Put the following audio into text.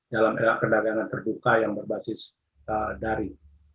dalam era perdagangan terbuka yang berbasis dari